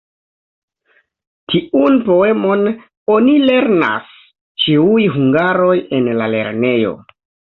Tiun poemon oni lernas ĉiuj hungaroj en la lernejo.